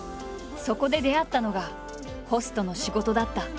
そこで出会ったのがホストの仕事だった。